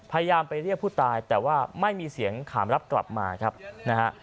พยายามไปเรียกผู้ตายแต่ว่าไม่มีเสียงขามรับกลับมาครับนะฮะ